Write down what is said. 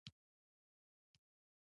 د زیرو پاینټ انرژي په خلا کې شته.